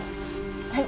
はい。